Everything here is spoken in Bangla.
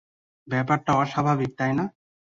ব্যাপারটা অস্বাভাবিক, তাই না?